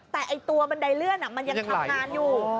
แต่ตัวบันไดเลื่อนมันยังทำงานอยู่